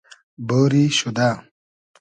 بۉری شودۂ